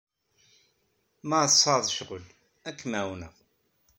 Ma tesɛiḍ ccɣel, ad kem-ɛawneɣ.